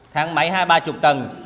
tháng mấy hai ba chục tầng